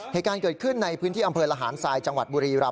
เหตุการณ์เกิดขึ้นในพื้นที่อำเภอระหารทรายจังหวัดบุรีรำ